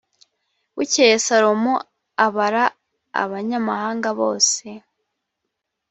bukeye salomo abara abanyamahanga bose